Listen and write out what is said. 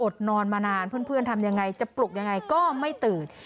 อดนอนมานานเพื่อนทำอย่างไรจะปลุกอย่างไรก็ไม่ตื่น